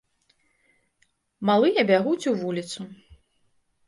Малыя бягуць у вуліцу.